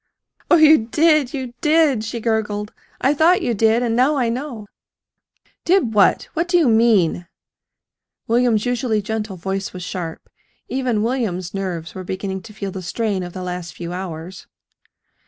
"Oh, you did, you did!" she gurgled. "I thought you did, and now I know!" "Did what? What do you mean?" William's usually gentle voice was sharp. Even William's nerves were beginning to feel the strain of the last few hours.